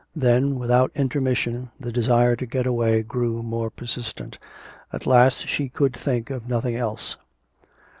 Then, without intermission, the desire to get away grew more persistent, at last she could think of nothing else.